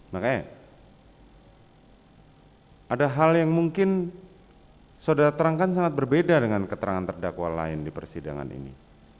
makanya ada hal yang mungkin saudara terangkan sangat berbeda dengan keterangan terdakwa lain di persidangan ini